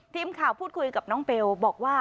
ทีมข่าวพูดคุยกับน้องเบลบอกว่า